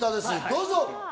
どうぞ！